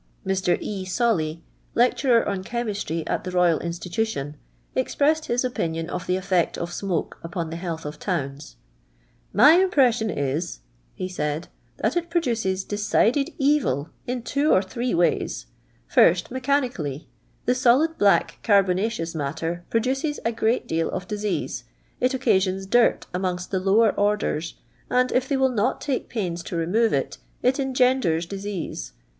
Mr. E. ^?olly, lecturer on chemistrj' at the Royal Institution, expressed his opinion of the effect of smoke upon the health of towns :—" My impression is," he said, " that it produces decided evil in two or three ways : first, mechani cally ; the solid bl.ick carbonaceous matter pro duces a great deal of disease; it occasions dirt amongst the lower orders, and, if they will not take pains to remove it, it engenders disease.